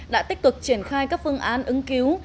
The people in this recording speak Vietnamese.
đã tích cực triển khai các phương án ứng cứu